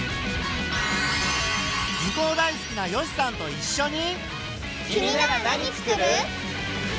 図工大好きな善しさんと一しょに。